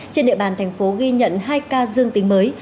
trên địa bàn thành phố ghi nhận hai ca dương tính mới